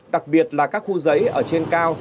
đặc biệt là các khu giấy ở trên cao